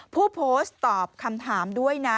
ผู้โพสต์ตอบคำถามด้วยนะ